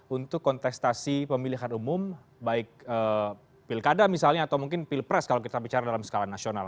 untuk kontestasi pemilihan umum baik pilkada misalnya atau mungkin pilpres kalau kita bicara dalam skala nasional